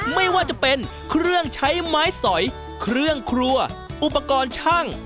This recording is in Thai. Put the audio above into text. ไม่ว่าจะเป็นเครื่องใช้ไม้สอยเครื่องครัวอุปกรณ์ช่าง